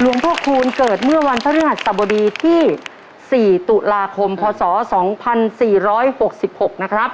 หลวงพ่อคูณเกิดเมื่อวันพระเรือสบบีที่สี่ตุลาคมพศสองพันสี่ร้อยหกสิบหกนะครับ